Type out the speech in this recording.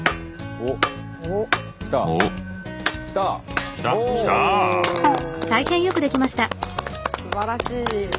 おおすばらしい。